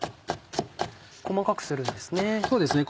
細かくするんですね。